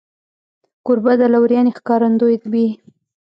کوربه د لورینې ښکارندوی وي.